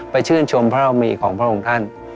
ชื่นชมพระเรามีของพระองค์ท่าน